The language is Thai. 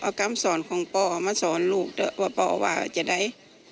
เอากรรมสอนของป่ามาสอนลูกว่าป่าว่าจะได้